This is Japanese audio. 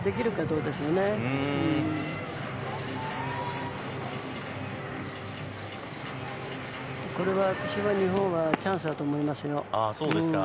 これは、私は日本はチャンスだと思いますよ。